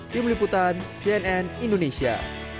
tim liputan cnn indonesia